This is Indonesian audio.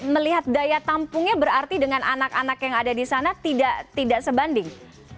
melihat daya tampungnya berarti dengan anak anak yang ada di sana tidak sebanding